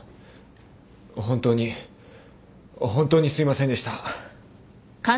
本当に本当にすいませんでした。